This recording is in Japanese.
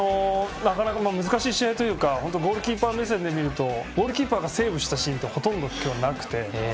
なかなか難しい試合というかゴールキーパー目線ですとゴールキーパーがセーブしたシーンは今日はほとんどなくて。